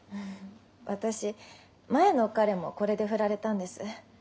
私前の彼もこれで振られたんです。